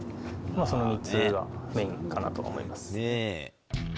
その３つがメインかなと思います。